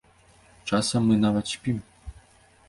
Часам мы нават спім!